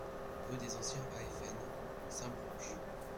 Rue des Anciens AFN, Saint-Branchs